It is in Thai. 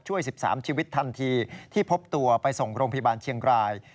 ช่วย๑๓ชีวิตทันทีที่พบตัวไปส่งโรงพยาบาลเชียงราย